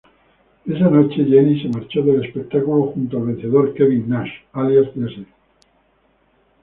Esa noche, Jenny se marchó del espectáculo junto al vencedor Kevin Nash, alias Diesel.